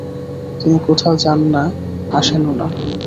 তিনি কোথাও যানও না, আসেনও না।